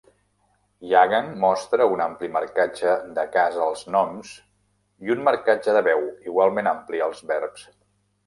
Yahgan mostra un ampli marcatge de cas als noms i un marcatge de veu igualment ampli als verbs.